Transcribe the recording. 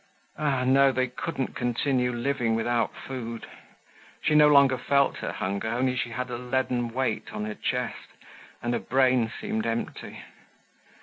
Ah! no, they couldn't continue living without food. She no longer felt her hunger, only she had a leaden weight on her chest and her brain seemed empty.